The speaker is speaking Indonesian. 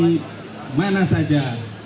dari mana saja